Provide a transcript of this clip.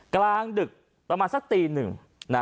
กลางดึกประมาณสักตีหนึ่ง